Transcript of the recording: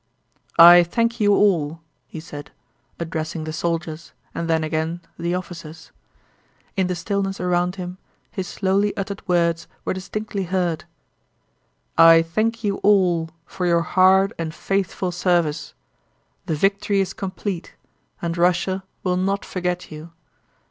"I thank you all!" he said, addressing the soldiers and then again the officers. In the stillness around him his slowly uttered words were distinctly heard. "I thank you all for your hard and faithful service. The victory is complete and Russia will not forget you!